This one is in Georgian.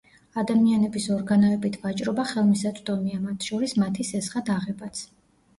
ადამიანების ორგანოებით ვაჭრობა ხელმისაწვდომია, მათ შორის, მათი სესხად აღებაც.